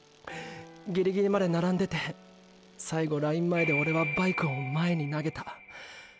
ギリギリまで並んでて最後ライン前でオレはバイクを前に投げた。